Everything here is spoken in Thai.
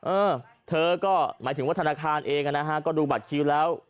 เออเธอก็หมายถึงว่าธนาคารเองนะฮะก็ดูบัตรคิวแล้ว